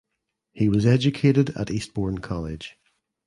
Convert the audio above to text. He was educated at Eastbourne College.